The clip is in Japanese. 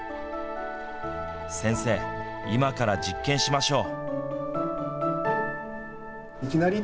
先生、今から実験しましょう。